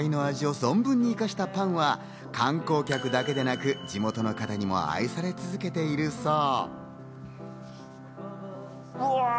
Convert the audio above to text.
素朴ながら素材を存分に生かしたパンは観光客だけではなく、地元の方にも愛され続けているそう。